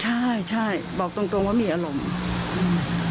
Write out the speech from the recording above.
ใช่ใช่บอกตรงว่ามีอารมณ์